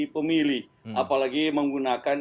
pemilih apalagi menggunakan